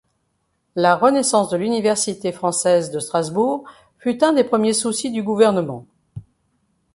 La renaissance de l'université française de Strasbourg fut un des premiers soucis du gouvernement.